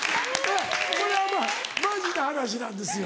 これはまぁマジな話なんですよ。